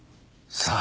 さあ。